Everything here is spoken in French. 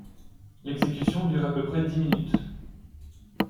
L'exécution dure à peu près dix minutes.